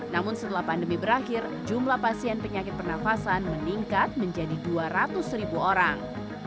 namun setelah pandemi berakhir jumlah pasien penyakit pernafasan meningkat menjadi dua ratus ribu orang